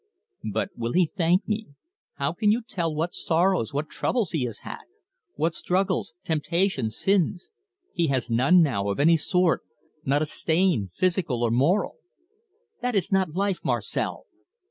"But will he thank me? How can you tell what sorrows, what troubles, he has had? What struggles, temptations, sins? He has none now, of any sort; not a stain, physical or moral." "That is not life, Marcel."